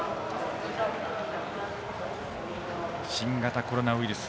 新型コロナウイルス